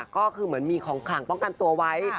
ก็คือเหมือนมีของขลังป้องกันตัวไว้